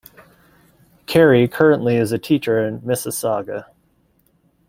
Carrie currently is a teacher in Mississauga.